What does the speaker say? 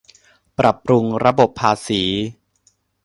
ปรับปรุงระบบภาษี